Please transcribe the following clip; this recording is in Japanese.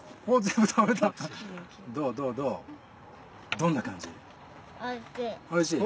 どんな感じ？